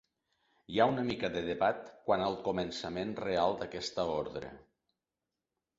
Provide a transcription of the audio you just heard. Hi ha una mica de debat quant al començament real d'aquesta Ordre.